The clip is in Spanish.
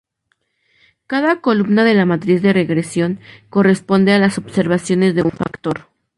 Cada columna de la matriz de regresión corresponde a las observaciones de un factor.